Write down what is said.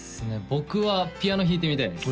僕はピアノ弾いてみたいです